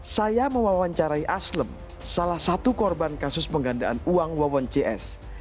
saya mewawancarai aslem salah satu korban kasus penggandaan uang wawon cs